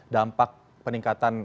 dampak peningkatan covid sembilan belas ini